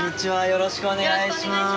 よろしくお願いします。